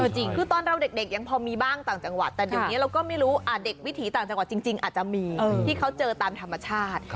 จริงคือตอนเราเด็กยังพอมีบ้างต่างจังหวัดแต่เดี๋ยวนี้เราก็ไม่รู้เด็กวิถีต่างจังหวัดจริงอาจจะมีที่เขาเจอตามธรรมชาติ